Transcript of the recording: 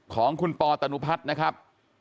ของคุณปอตนุพัฒน์นะครับ